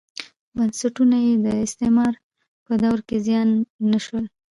بنسټونه یې د استعمار په دوره کې زیان نه شول.